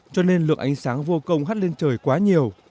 cho nên lượng ánh sáng vô công hắt lên trời quá nhiều